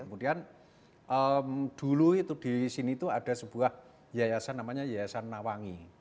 kemudian dulu itu di sini itu ada sebuah yayasan namanya yayasan nawangi